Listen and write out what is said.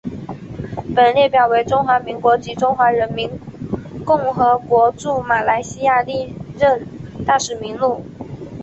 本列表为中华民国及中华人民共和国驻马来西亚历任大使名录。